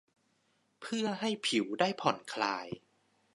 เพื่อให้ผิวได้ผ่อนคลาย